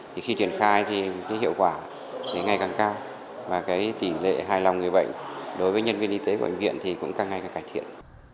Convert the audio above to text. thì khi triển khai thì cái hiệu quả thì ngay càng cao và cái tỉ lệ hài lòng người bệnh đối với nhân viên y tế của bệnh viện thì cũng càng ngay càng cải thiện